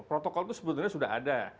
protokol itu sebetulnya sudah ada